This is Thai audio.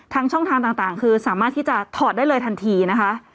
ช่องทางต่างคือสามารถที่จะถอดได้เลยทันทีนะคะ